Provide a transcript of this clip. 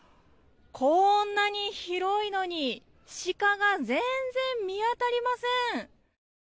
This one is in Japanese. こんなに広いのにシカが全然見当たりません。